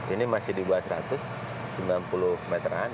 ini masih di bawah seratus sembilan puluh meter an